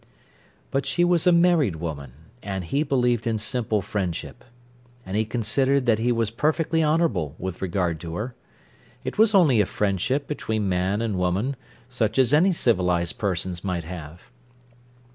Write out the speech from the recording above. But she was a married woman, and he believed in simple friendship. And he considered that he was perfectly honourable with regard to her. It was only a friendship between man and woman, such as any civilised persons might have.